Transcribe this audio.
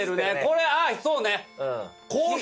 これああそうね！